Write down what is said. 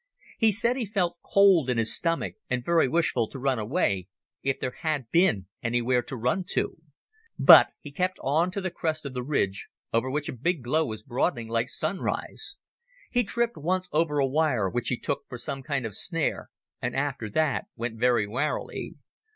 He said he felt cold in his stomach, and very wishful to run away, if there had been anywhere to run to. But he kept on to the crest of the ridge, over which a big glow was broadening like sunrise. He tripped once over a wire, which he took for some kind of snare, and after that went very warily.